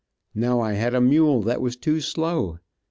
Now I had a mule that was too slow.